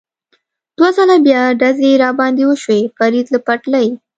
دوه ځله بیا ډزې را باندې وشوې، فرید له پټلۍ.